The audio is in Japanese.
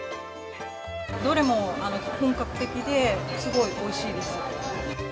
どれも本格的で、すごい、おいしいです。